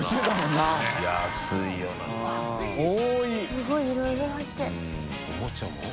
すごいいろいろ入って。